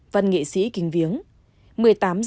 văn nghệ sĩ kinh viếng